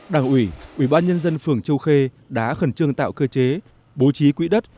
đảng ủy ủy ban nhân dân phường châu khê đã khẩn trương tạo cơ chế bố trí quỹ đất